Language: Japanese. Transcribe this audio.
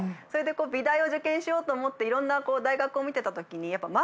それで美大を受験しようと思っていろんな大学を見てたときにえっ！